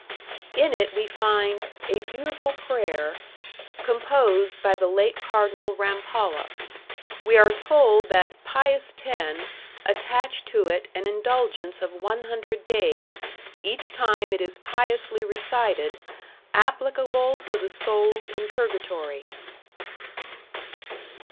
In it we find "a beautiful prayer", composed by the late cardinal Rampolla; we are told that "Pius X attached to it an indulgence of 100 days, each time it is piously recited, applicable to the souls in purgatory."